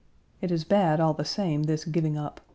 It is bad, all the same, this giving up.